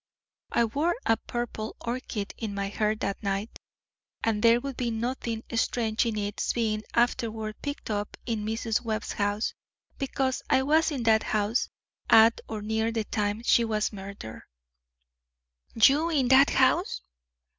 "I wore a purple orchid in my hair that night, and there would be nothing strange in its being afterward picked up in Mrs. Webb's house, because I was in that house at or near the time she was murdered." "You in that house?"